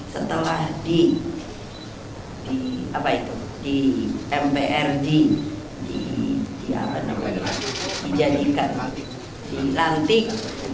setelah di mprd dijadikan di lantik